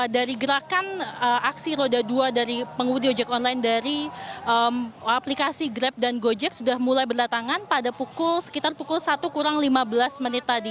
dari gerakan aksi roda dua dari pengemudi ojek online dari aplikasi grab dan gojek sudah mulai berdatangan pada pukul sekitar pukul satu kurang lima belas menit tadi